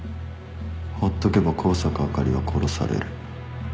ほっとけば香坂朱里は殺される